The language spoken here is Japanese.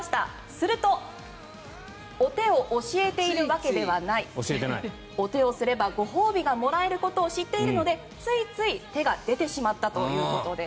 するとお手を教えているわけではないお手をすればご褒美がもらえることを知っているのでついつい手が出てしまったということです。